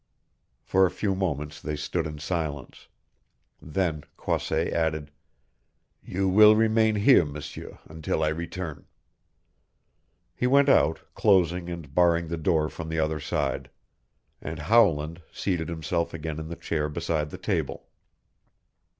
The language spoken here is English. For a few moments they stood in silence. Then Croisset added, "You will remain here, M'seur, until I return." He went out, closing and barring the door from the other side, and Howland seated himself again in the chair beside the table.